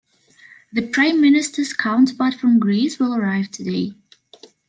The prime minister's counterpart from Greece will arrive today.